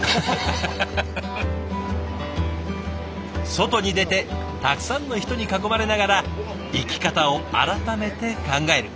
外に出てたくさんの人に囲まれながら生き方を改めて考える。